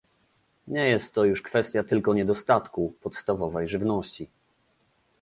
Nie jest to już kwestia tylko niedostatku podstawowej żywności